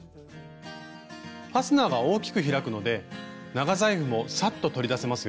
ファスナーが大きく開くので長財布もサッと取り出せますよ。